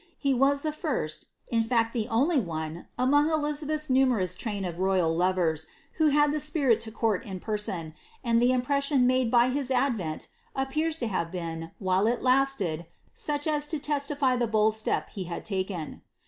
He was the first, in fact, the only one, among Elizabeth's numerous tnin of royal lovers, who had the spirit to court in person, and the im pression made by his advent appears to have been, while it lasted, such as to justify the bold step he had taken.